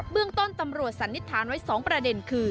เรื่องต้นตำรวจสันนิษฐานไว้๒ประเด็นคือ